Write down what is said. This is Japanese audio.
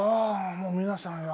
もう皆さん。